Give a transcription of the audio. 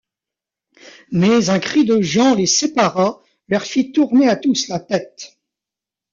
Mais un cri de Jean les sépara, leur fit tourner à tous la tête.